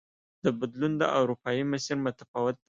د بدلون دا اروپايي مسیر متفاوت دی.